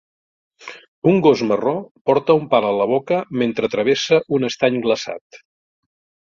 Un gos marró porta un pal a la boca mentre travessa un estany glaçat.